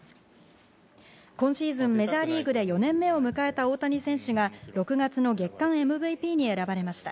今シーズン、メジャーリーグで４年目を迎えた大谷選手が６月の月間ＭＶＰに選ばれました。